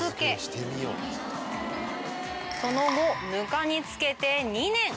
その後ぬかに漬けて２年。